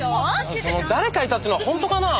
その誰かいたっていうのは本当かなあ？